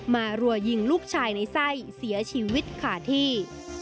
รัวยิงลูกชายในไส้เสียชีวิตขาดที่